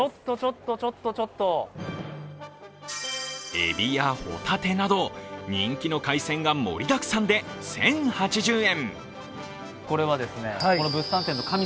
えびやほたてなど人気の海鮮が盛りだくさんで１０８０円。